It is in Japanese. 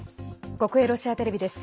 国営ロシアテレビです。